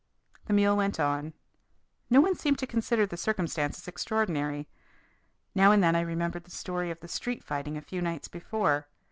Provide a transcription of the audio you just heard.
The meal went on. No one seemed to consider the circumstances extraordinary. Now and then I remembered the story of the street fighting a few nights before.